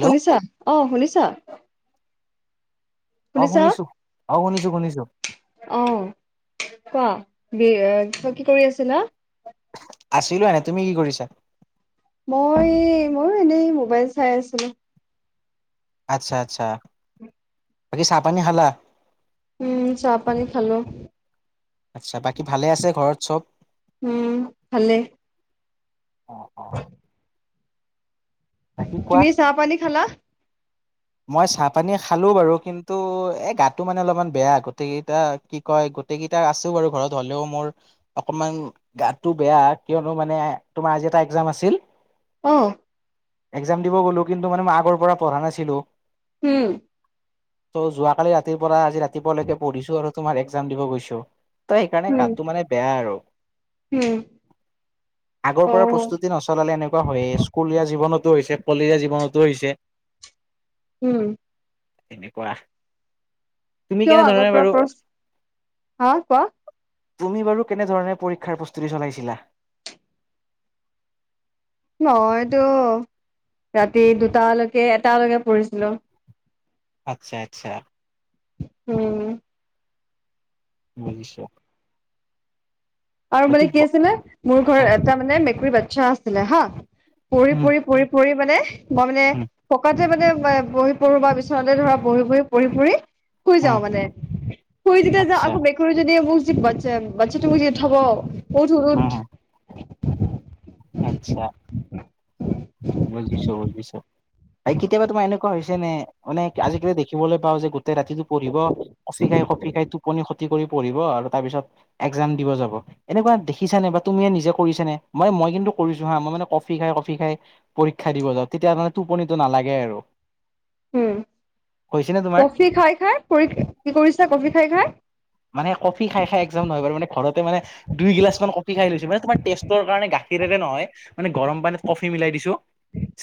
Hello অ, শুনিছা? অ শুনিছা? শুনিছো অ শুনিছো শুনিছো অ, কোৱা, বি, এই কি কৰি আছিলা? আছিলো এনে, তুমি কি কৰিছা? মই ময়ো এনেই মোবাইল চাই আছিলো। আটচ্ছা, আটচ্ছা, বাকী চাহ-পানী খালা? উম, চাহ-পানী খালো। আচ্ছা, বাকী ভালে আছে ঘৰত চব? উম, ভালে। অ অ বাকী কোৱা তুমি চাহ-পানী খালা? মই চাহ-পানী খালো বাৰু কিন্তু এ, গাটো মানে অলপমান বেয়া গতে এতা কি কয়, গোটেই কেইটা আছো বাৰু ঘৰত হ'লেও মোৰ। অকণমান গাটো বেয়া কিয়নো মানে তোমাৰ আজি এটা একজাম আছিল। অ, একজাম দিব গ'লোঁ কিন্তু মানে মই আগৰ পৰা পঢ়া নাছিলোঁ। উম, ত' যোৱা কালি ৰাতিৰ পৰা আজি ৰাতিপুৱালৈকে পঢ়িছো আৰু তোমাৰ একজাম দিব গৈছো। তই সেইকাৰণে উম গাটো মানে বেয়া আৰু। উম আগৰ অ পৰা প্ৰস্তুতি নচলালে এনেকুৱা হয়ে স্কুলীয়া জীৱনতো হৈছে কলেজীয়া জীৱনতো হৈছে। উম, তেনেকুৱা, তুমি কিয় আগৰ কেনেধৰণে পৰা বাৰু প্ৰ হা কোৱা তুমি বাৰু কেনেধৰণে পৰীক্ষাৰ প্ৰস্তুতি চলাইছিলা? মইতো ৰাতি দুটালৈকে এটালৈকে পঢ়িছিলো। আটচ্ছা, আটচ্ছা। উম, বুজিছো। আৰু মানে বাকী কি ব- আছিলে মোৰ ঘৰত এটা মানে মেকুৰী বাটচ্ছা আছিলে হা উম পৰি-পৰি-পৰি পৰি মানে মই মানে উম পকাতে মানে বহি পৰো বা বিচনাতে ধৰা বহি বহি পৰি পৰি শুই যাওঁ উম মানে, শুই যেতিয়া যাও আচ্ছা আকৌ বেক যদি এবো যি বাচ্চাটো হ'ব, উঠ', উঠ', উঠ'। আত্ছা। [inaudible] বুজিছো বুজিছো। এই কেতিয়াবা তোমাৰ এনেকুৱা হৈছে নে, মানে আজিকালি দেখিবলৈ পাও যে গোটেই ৰাতিটো পঢ়িব। কফি খাই কফি খাই টোপনি খতি কৰি পঢ়িব আৰু তাৰপিছত একজাম দিব যাব। এনেকুৱা দেখিছা নে বা তুমিও নিজে কৰিছানে? মই মই কিন্তু কৰিছো হা, মই মানে কফি খাই কফি খাই পৰীক্ষা দিব যাওঁ, তেতিয়া মানে টোপনিতো নালাগে আৰু। উম, হৈছে নে তোমাৰ কফি খাই খাই পৰি, কি কৰিছা কফি খাই খাই? মানে কফি খাই খাই একজাম নহয় বাৰু, মানে ঘৰতে মানে দুই গিলাচ মান কফি খাই লৈছো, মানে তোমাৰ টেষ্টৰ কাৰণে গা সেইদৰে নহয়, মানে গৰম পানীত কফি মিলাই দিছো।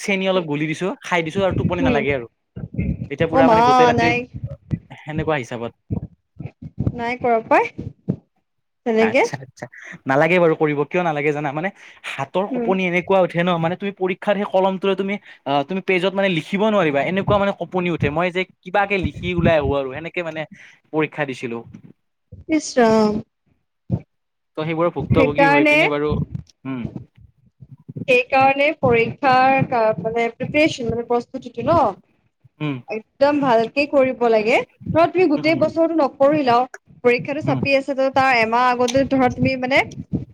চেনি অলপ গুলি দিছো, খাই দিছো আৰু টোপনি নালাগে আৰু উম এতিয়া অ পুৰা মা মানে গোটেই ৰাতি নাই সেনেকুৱা হিচাপত। নাই কৰা পাই তেনেকে। আচ্ছা আচ্ছা নালাগে বাৰু কৰিব, কিয় নালাগে জানা? মানে হাতৰ উম কপনি এনেকুৱা উঠে ন মানে তুমি পৰী ক্ষাৰ সেই কলমটোৱে তুমি আহ', তুমি পেজত মানে লিখিব নোৱাৰিবা এনেকুৱা মানে কপনি উঠে, মই যে কিবাকে লিখি ওলাই আহো আৰু এনেকে মানে পৰীক্ষা দিছিলো। নিশ্চয় অ'। ত' সেইবোৰৰ ভুক্তভোগী হৈ সেইকাৰণে পিনে বাৰু উম'। সেইকাৰণে পৰীক্ষাৰ কা মানে প্ৰিপেৰচন মানে প্ৰস্তুতিটো ন ওম, একদম ভালকে কৰিব লাগে, ধৰা তুমি উম গোটেই উম বছৰো নকৰিলাও। পৰীক্ষাটো উম চাপি আছে ত' তাৰ এমাহ আগতে ধৰা তুমি মানে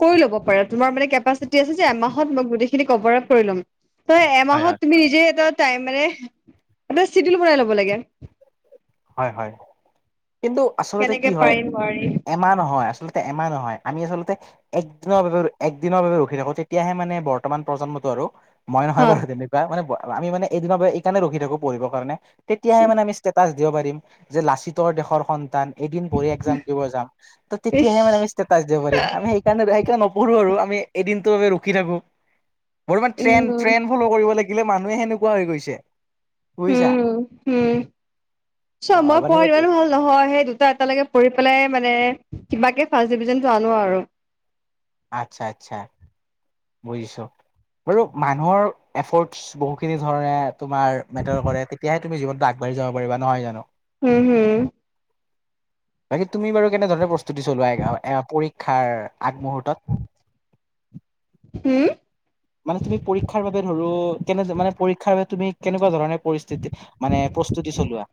কৰি ল'ব পাৰা তোমাৰ মানে কেপাচিটি আছে যে এমাহ মই গোটেই খিনি কভাৰ আপ কৰি ল'ম, ত' হয় এমাহত হয় তুমি নিজে এটা তাই মানে, এটা চিদোল বনাই ল'ব লাগে। হয়, হয়, কিন্তু আচলতে কেনেকে কি হয় পাৰিম নোৱাৰিম এমাহ নহয়, আচলতে এমাহ নহয়, আমি আচলতে এক দিনৰ বাবে এক দিনৰ বাবে, ৰখি থাকো, তেতিয়াহে মানে বৰ্তমান প্ৰজন্মটো আৰু মই নহয় হা বাৰু তেনেকুৱা, মানে আমি মান এইদিনৰ এই কাৰণে ৰখি থাকো পঢ়িবৰ কাৰণে, তেতিাহে মানে আমি ষ্টেটাচ দিব পাৰিম যে লাচিতৰ দেশৰ সন্তান এদিন পঢ়ি একজাম দিব যাম, ত' ইচ তেতিয়াহে মানে আমি দিব পাৰিম আমি সেইকাৰণে সেইকাৰণে নপঢ়ো আৰু আমি এদিনটো বাবে ৰখি থাকো। বৰ্তমান ট্ৰেন ট্ৰেন উম ফল' কৰিব লাগিলে মানুহে সেনেকুৱা হৈ গৈছে বুজিছা। উম', উম', চোৱা অ মই মানে পঢ়াত ইমানো ভাল নহয় সেই দুটা এটালৈকে পঢ়িপেলাই মানে কিবাকে ফাৰ্ষ্ট ডিভিজনতটো আনো আৰু। আচ্ছা', আচ্ছা'। বুজিছো বাৰু মানুহৰ এফৰ্টছ বহুখিনি ধৰণে তোমাৰ মেটাৰ কৰে, তেতিয়াহে তুমি জীৱনতো আগবাঢ়ি যাব পাৰিবা নহয় জানো? হম', হম'। বাকী তুমি বাৰু কেনেধৰণে প্ৰস্তুতি চলোৱা পৰীক্ষাৰ আগমুহূৰ্তত? উম', মানে, তুমি পৰীক্ষাৰ বাবে ধৰো কেনে মানে পৰীক্ষাৰ বাবে তুমি কেনেকুৱা ধৰণে পৰিস্থিতি মানে প্ৰস্তুতি চলোৱা?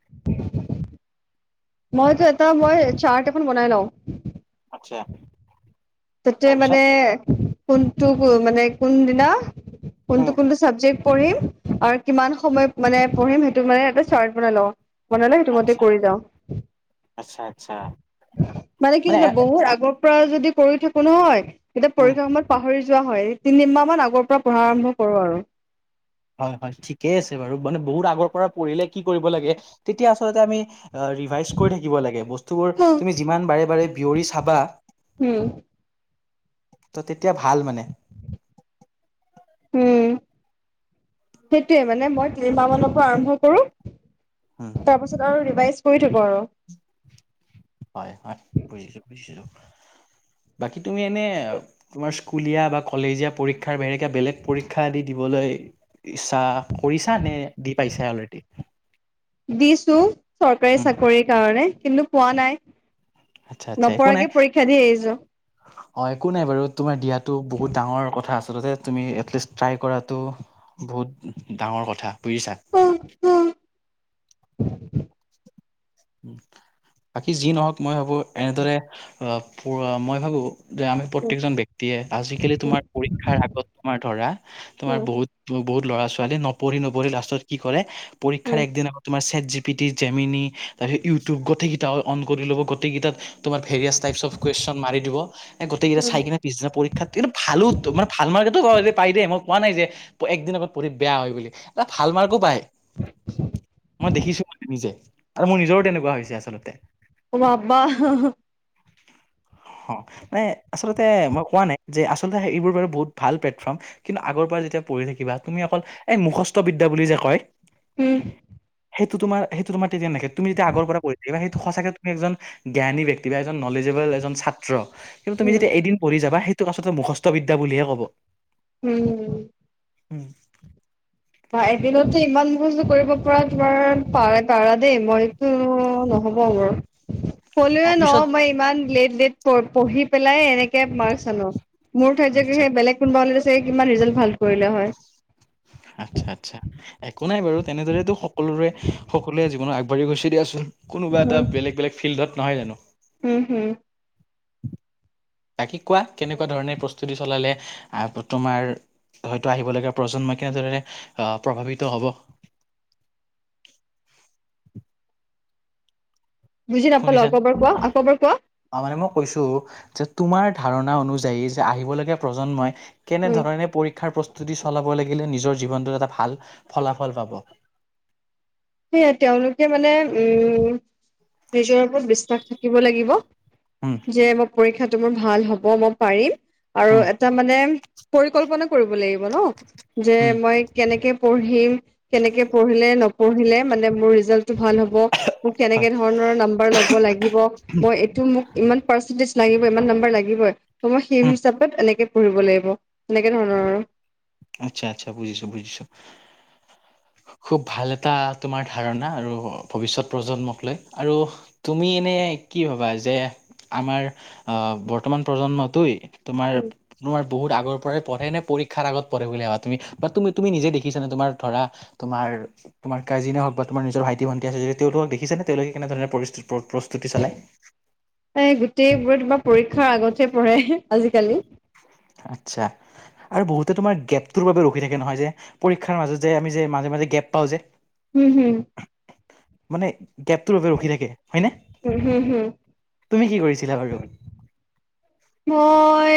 মইতো এটা মই চাৰ্ট এখন বনাই লওঁ। আচ্ছা। তাতে তাৰপিছত মানে কোনটো মানে কোনদিনা উম কোনটো কোনটো চাবজেক্ট পঢ়িম আৰু কিমান সময় মানে পঢ়িম সেইটো মানে এটা চাৰ্ট বনাই লওঁ মনলে সেইটোমতে আচ্ছা কৰি যাওঁ আচ্ছা আচ্ছা মানে কি জানা বহুত আগৰ পৰা যদি কৰি থাকো নহয় এতিয়া উম পৰীক্ষা সময়ত পাহৰি যোৱা হয় তিনিমাহমান আগৰ পৰা পঢ়া আৰম্ভ কৰোঁ আৰু হয়, হয়, ঠিকেই আছে বাৰু মানে বহুত আগৰ পৰা পঢ়িলে কি কৰিব লাগে তেতিয়া আচলতে আমি ৰিভাইজ কৰি থাকিব লাগে বস্তুবোৰ তুমি হুম যিমান বাৰে বাৰে বিয়ৰি চাবা হয় [inaudible] ত' তেতিয়া ভাল মানে উম সেইটোৱে মানে মই তিমাহ মানৰ পৰা আৰম্ভ কৰো উম তাৰ পিছত আৰু ৰিভাইজ কৰি থাকো আৰু হয়, হয়, বুজিছো বুজিছোঁ [inaudible] বাকী তুমি এনেই তোমাৰ স্কুলীয়া বা কলেজীয়া পৰীক্ষাৰ বাহিৰে, কিবা বেলেগ পৰীক্ষা আদি দিবলৈ ইচ্ছা কৰিছা নে দি পাইছা অলৰেডি? দিছো চৰকাৰী উম, চাকৰিৰ কাৰণে কিন্তু পোৱা নাই। আচ্ছা আচ্ছা একো নাই নপৰাকে পৰীক্ষা দি আহিছোঁ। অ', একো নাই বাৰু তোমাৰ দিয়াটো বহুত ডাঙৰ কথা, আচলতে তুমি এটলিষ্ট ট্ৰাই কৰাটো বহুত ডাঙৰ কথা বুজিছা। [unintelligible] বাকী যি নহওঁক মই ভাবো এনেদৰে অ', প মই ভাবো যে, আমি উম প্ৰত্যেকজন ব্যক্তিয়ে আজিকালি তোমাৰ পৰীক্ষাৰ আগত তোমাৰ ধৰা তোমাৰ বহুত বহুত ল'ৰা ছোৱালী নপঢ়ি-নপঢ়ি লাষ্টত কি কৰে, পৰীক্ষাৰ একদিন উম আগ তোমাৰ set G P T Gemini YouTube গোটেইকেইটা অন কৰি ল'ব, গোটেইকেইতাত তোমাৰ ভেৰিয়াছ টাইপ অফ কুৱেশন মাৰি দিব এই গোটেইকেইটা চাই উম কিনে, পিছদিনা পৰীক্ষাত কিন্তু ভালো মানে, ভাল মাৰ্কেটো পাই দেই মই কোৱা নাই যে একদিনআগত পঢ়ি বেয়া হয় বুলি, ভাল মাৰ্কো পায়। মই দেখিছো মানে, নিজে আৰু মোৰ নিজৰো তেনেকুৱা হৈছে আচলতে। বাবা। অ', মানে আচলতে মই কোৱা নাই যে, আচলতে এইবোৰ বাৰু বহুত ভাল প্লেটফৰ্ম। কিন্তু আগৰ পৰা যেতিয়া পঢ়ি থাকিবা, তুমি অকল এই মুখস্থ বিদ্যা বুলি যে কয় উম। সেইটো তোমাৰ সেইটো তোমাৰ তেতিয়া নাথকে তুমি তেতিয়া আগৰ পৰা পৰি থাকিব সেইটো সঁচাকে তুমি একজন জ্ঞানী ব্যক্তি বা এজন নলেজেবল এজন ছাত্ৰ। কিন্তু তুমি উম যদি এদিন পঢ়ি যাবা সেইটো কথাত মুখস্থ বিদা বুলিহে ক'ব। উম। উম। বা এদিনতে ইমান মুখস্ত কৰিব পৰা তোমাৰ পা পাৰা দেই মইতো নহ'ব মোৰ অ হ'লওঁ ন পিছত মই ইমান লেট-লেট পঢ়ি পেলাই এনেকে মাৰ্কচ আনো। মোৰ ঠাইত চাগে আচ্ছা সেই বেলেগ কোনোবা হলে টো চাগে কিমান ৰিজাল্ট ভাল কৰিলে হয়। আচ্ছা-আচ্ছা একো নাই বাৰু, তেনেদৰেতো সকলোৰে-সকলোৱে জীৱনত আগ় বাঢ়ি গৈছে দিয়া চোন কোনোবা উম, এটা বেলেগ বেলেগ ফিল্ডত নহয় জানো হম হুম। বাকী কোৱা কেনেকুৱা ধৰণে প্ৰস্তুতি চলালে তোমাৰ হয়তো আহিবলগীয়া প্ৰজন্মই কেনেদৰে প্ৰভাৱিত হ'ব? বুজি নাপালো শুনিছা আকৌ'বাৰ কোৱা আকৌবাৰ কোৱা? অ', মানে মই কৈছো যে তোমাৰ ধাৰণা অনুযায়ী যে, আহিবলগীয়া প্ৰজন্মই উম, কেনেধৰণে পৰীক্ষাৰ প্ৰস্তুতি চলাব লাগিলে, নিজৰ জীৱনটোত এটা ভাল ফলাফল পাব? সেইয়াই তেওঁলোকে মানে উম, নিজৰ ওপৰত বিশ্বাস থাকিব লাগিব। উম। যে, মই পৰীক্ষাটো মোৰ ভাল হ'ব মই পাৰিম। আৰু উম এটা মানে পৰিকল্পনা কৰিব লাগিব ন, যে উম মই কেনেকে পঢ়িম, কেনেকে পঢ়িলে নপঢ়িলে মানে মোৰ ৰিজাল্টটো ভাল হ'ব। মোক হয় কেনেকে ধৰণৰ নাম্বাৰ ল'ব লাগিব। মই, এইটো মোক ইমান পাৰ্চেন্টেজ লাগিব। ইমান নম্বৰ লাগিবই ত মই সেই উম হিচাপত এনেকে পঢ়িব লাগিব এনেকে ধৰণৰ। আৰু। আচ্ছা-আচ্ছা বুজিছো-বুজিছো। [inaudible] খুব ভাল এটা তোমাৰ ধাৰণা আৰু ভৱিষ্যত প্ৰজন্মক লৈ। আৰু তুমি এনে কি ভাবা যে, আমাৰ আহ বৰ্তমান প্ৰজন্মটোই? তোমাৰ তোমাৰ বহুত আগৰ পৰাই পঢ়েনে পৰীক্ষাৰ আগত পঢ়ে বুলি ভাবা তুমি তুমি তুমি নিজে দেখিছানে তোমাৰ ধৰা তোমাৰ তোমাৰ কাজিনে হওঁক বা তোমাৰ নিজৰ ভাইটি ভণ্টি আছে যদি তেওঁলোকক দেখিছানে তেওঁলোকে কেনেধৰণে পৰি প-প্ৰ-প্ৰ [unintelligible] চলাই। এ সেইটোৱে [unintelligible] পৰীক্ষাৰ আগতহে পঢ়ে আজিকালি। আচ্ছা, আৰু বহুতে তোমাৰ গেপটোৰ বাবে ৰখি থাকে নহয় যে। পৰীক্ষাৰ মাজত যে আমি যে মাজে মাজে গেপ পাওঁ যে। হুম, হুম। মানে গেপটোৰ বাবে ৰখি থাকে হয়নে, হুম হুম হুম তুমি কি কৰিছিলা বাৰু? মই,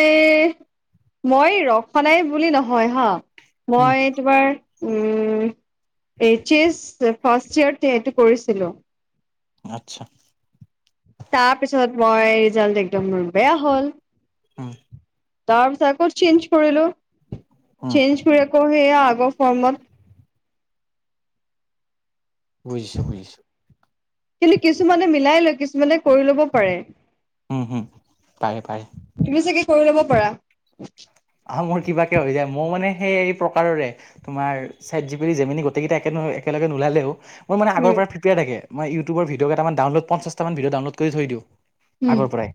মই ৰখা নাই বুলি নহয় হা। উম মই তোমাৰ উম, এইচ এছ ফাৰ্ষ্ট ইয়াৰতে এইটো কৰিছিলোঁ। আচ্ছা। তাৰ পিছত মই ৰিজাল্ট একদম মোৰ বেয়া হ'ল। অ'। তাৰপিছত আকৌ চেঞ্জ কৰিলোঁ, উম, চেঞ্জ কৰি আকৌ সেইয়া আগৰ ফৰ্মত বুজিছোঁ বুজিছোঁ। কিন্তু কিছুমানে মিলাই লৈ কিছুমানে কৰি ল'ব পাৰে। উম, হুম, পাৰে পাৰে। তুমি চাগে কৰি ল'ব পাৰা। অ' মোৰ কিবাকে হৈ যায় মই মানে সেই এই প্ৰকাৰৰে। তোমাৰ চেটজিপিটি জেমিনি গোটেইকেইটা একেল একেলগে নোলালেও। মই মানে আগৰ পৰা উম প্ৰিপেয়াৰ থাকেই ইউটিউবৰ ভিডিঅ' কেটামান ডাউনলোড পঞ্চাছটা মান ভিডিঅ' ডাউনলোড কৰি থৈ দিওঁ। উম আগৰ পৰাই।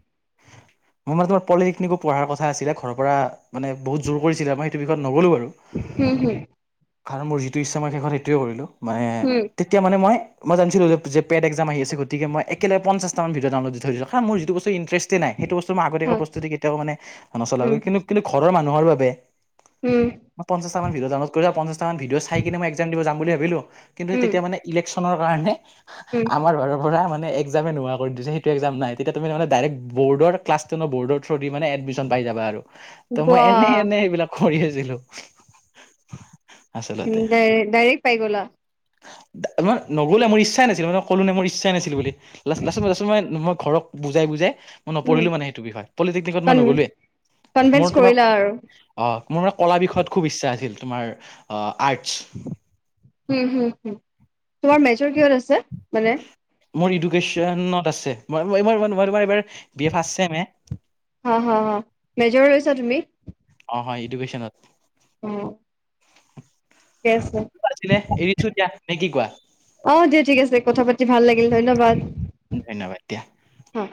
মই মানে তোমাৰ পলিটেকনিকো পঢ়াৰ কথা আছিলে ঘৰৰ পৰা মানে বহুত জোৰ কৰিছিলে মই সেইটো বিষয়ত নগ'লো বাৰু। হুম, হুম। কাৰণ মোৰ যিটো ইচ্ছা মই শেষত সেইটোৱে কৰিলোঁ মানে তে [unintelligible] মানে মই জানছিলোঁ যে পেড এক্সাম আহি আছে গতিকে মই একেলগে পঞ্চাশটা মান ভিডিঅ' ডাউনলোড দি থৈছিলোঁ কাৰণ মোৰ যিটো বস্তু ইনট্ৰেষ্ট নাই সেইটো বস্তু মই হুম অ আগতীয়াকৈ প্ৰস্তুতি কেতিয়াও মানে উম নচলাও কিন্তু কিন্তু ঘৰৰ মানুহৰ বাবে উম মই পঞ্চাশটা মান ভিডিঅ' ডাউনলোড কৰি পঞ্চাশটা মান ভিডিঅ' চাই কিনে মই এক্সাম দিব যাম বুলি ভাবিলোঁ। কিন্তু উম। তেতিয়া মানে ইলেকশ্যনৰ কাৰণে আমাৰ ঘৰৰ পৰা মানে [unintelligible] নোহোৱা কৰি দিছে সেইটো এক্সাম নাই তেতিয়া তুমি মানে ডাইৰেক্ট বৰ্ডৰ ক্লাছ টেনৰ বৰ্ডৰ থ্ৰ দি মানে এডমিশন পাই যাব আৰু। ত' মই এনে বাহ এনে এইবিলাক কৰি আছিলোঁ। হম, আচলতে ডাই ডাইৰেক্ট পাই গ'লা। মই নগ'লে মোৰ ইচ্ছাই নাছিল মানে ক'লো নে মোৰ ইচ্ছাই নাছিল বুলি লা- লাষ্টত মই লাষ্টত মই ঘৰক বুজাই বুজাই উম। নপঢ়িলোঁ মানে সেইটো বিষয় পলিটেকনিকত কন মই নগ'লোৱেই, কনভিন্স মোৰ তোমাৰ কৰিলা আৰু। অ' মোৰ মানে কলা বিষয়ত খুব ইচ্ছা আছিল তোমাৰ অ' আৰ্টচ। হম, হম, হম, তোমাৰ মেজৰ কিহত আছে মানে? মোৰ এডুকেশ্যনত আছে, মই -মই - মই [unintelligible] বি এ ফাৰ্ষ্ট ছেমহে। হা- হা- হা, মেজৰ লৈছা তুমি? অ, হয় ইডুকেশ্যনত। অ'। ঠিকেই আছে। আছিলে এৰিছো দিয়া নে কি কোৱা অ' দিয়া ঠিক আছে কথা পাতি ভাল লাগিল ধন্যবাদ। ধন্যবাদ দিয়া। হা।